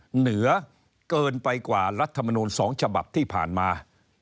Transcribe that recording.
เหนือเกินไปกว่ารัฐมนูล๒ฉบับที่ผ่านมา